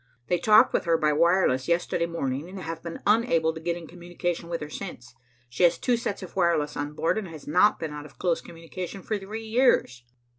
They talked with her by wireless yesterday morning, and have been unable to get into communication with her since. She has two sets of wireless on board, and has not been out of close communication for three years.